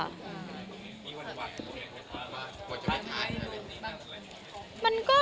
มีการ์ดเรามากว่าจะไปทานเป็นกว่าจะทำอะไร